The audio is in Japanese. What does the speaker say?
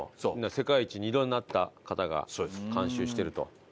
世界一に２度なった方が監修していると。